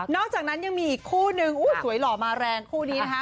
อกจากนั้นยังมีอีกคู่นึงสวยหล่อมาแรงคู่นี้นะคะ